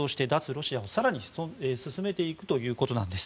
ロシアを更に進めていくということです。